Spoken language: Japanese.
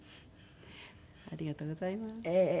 ありがとうございます。